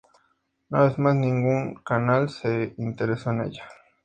Una vez más ningún canal se interesó en ella.